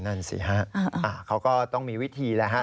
นั่นสิฮะเขาก็ต้องมีวิธีแล้วฮะ